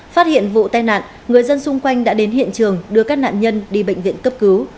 phát hiện vụ tai nạn người dân xung quanh đã đến hiện trường đưa các nạn nhân đi bệnh viện cấp cứu